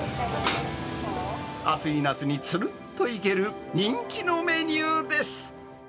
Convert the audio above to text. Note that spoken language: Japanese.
暑い夏につるっといける人気のメニューです。